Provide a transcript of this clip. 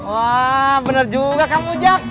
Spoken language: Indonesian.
wah bener juga kamu jack